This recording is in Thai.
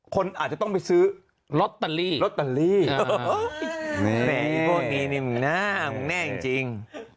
คนอาจจะต้องไปซื้อล็อตเตอรี่ล็อตเตอรี่นี่พวกนี้มันแน่จริง